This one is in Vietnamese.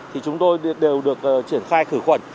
thì chúng tôi đều được triển khai khử khuẩn